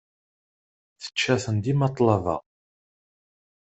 Tečča-ten dima ṭṭlaba.